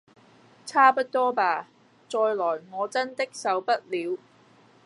差不多吧！再來我真的受不了